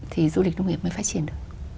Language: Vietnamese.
thì du lịch nông nghiệp mới phát triển được